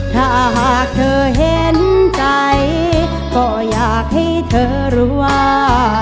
ถ้าหากเธอเห็นใจก็อยากให้เธอรู้ว่า